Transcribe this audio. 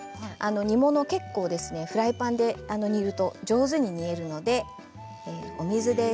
煮物、結構フライパンで煮ると上手に煮えるのでお水です。